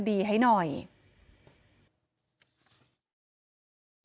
เหตุการณ์เกิดขึ้นแถวคลองแปดลำลูกกา